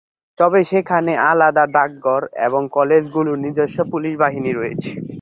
তবে, সেখানে আলাদা ডাকঘর এবং কলেজগুলোর নিজস্ব পুলিশ বাহিনী রয়েছে।